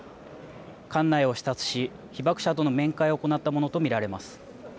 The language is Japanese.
館内を視察し被爆者との面会を行ったものと見られます。